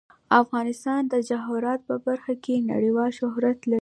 افغانستان د جواهرات په برخه کې نړیوال شهرت لري.